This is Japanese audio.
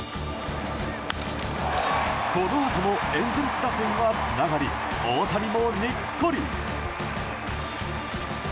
このあともエンゼルス打線はつながり大谷もにっこり。